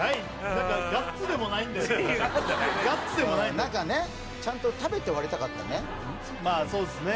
何かガッツでもない何かねちゃんと食べて終わりたかったね